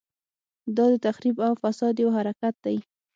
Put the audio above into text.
دا د تخریب او فساد یو حرکت دی.